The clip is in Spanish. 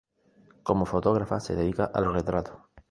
Como fotógrafa se dedica al retrato.